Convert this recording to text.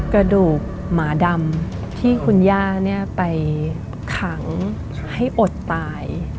กระดูกหมาดำที่คุณย่าไปขังให้อดตาย